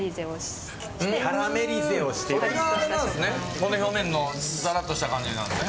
それが表面のざらっとした感じなんですね。